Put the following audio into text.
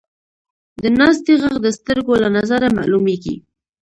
د ناستې ږغ د سترګو له نظره معلومېږي.